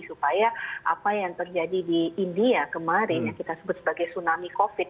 supaya apa yang terjadi di india kemarin yang kita sebut sebagai tsunami covid